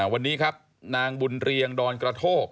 วันนี้ครับนางบุญเรียงดอนกระโทก